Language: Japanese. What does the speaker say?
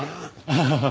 アハハハ